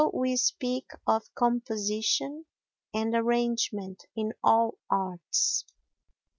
So we speak of composition and arrangement in all arts.